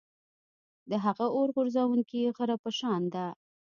د هغه اور غورځوونکي غره په شان ده.